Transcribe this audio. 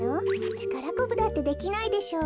ちからこぶだってできないでしょう？